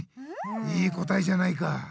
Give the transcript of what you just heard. いい答えじゃないか。